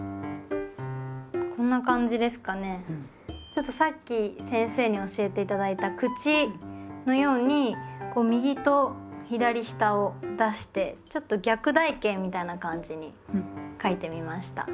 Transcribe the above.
ちょっとさっき先生に教えて頂いた「口」のように右と左下を出してちょっと逆台形みたいな感じに書いてみました。